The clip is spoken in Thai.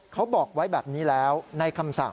เขาบอกไว้แบบนี้แล้วในคำสั่ง